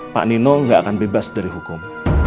pak nino nggak akan bebas dari hukum